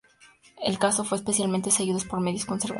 El caso fue especialmente seguido por medios conservadores.